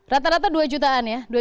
rata rata dua jutaan ya